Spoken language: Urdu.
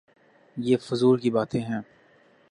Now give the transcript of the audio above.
یہ فضول کی باتیں ہیں۔